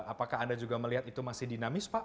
apakah anda juga melihat itu masih dinamis pak